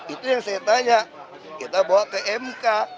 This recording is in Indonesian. itu yang saya tanya kita bawa ke mk